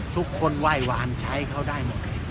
ทุกคนไหว้หวานใช้เขาได้หมดเลย